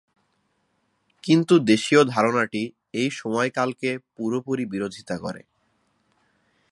কিন্তু দেশীয় ধারণাটি এই সময়কালকে পুরোপুরি বিরোধিতা করে।